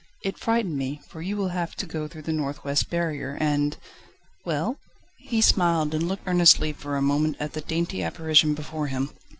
It frightened me, for you will have to go through the north west barrier, and ..." "Well?" He smiled, and looked earnestly for a moment at the dainty apparition before him.